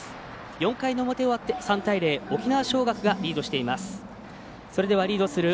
４回の表が終わって３対０沖縄尚学がリードしています。